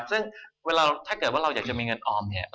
ซึ่งถ้าเกิดเราอยากจะมีเงินออมเนี่ย